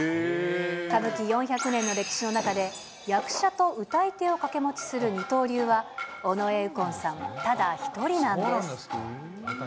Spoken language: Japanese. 歌舞伎４００年の歴史の中で役者と唄い手を掛け持ちする二刀流は、尾上右近さんただ一人なんです。